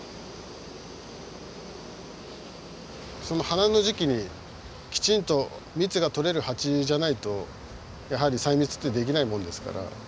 花の時期にきちんと蜜が採れるハチじゃないとやはり採蜜ってできないもんですから。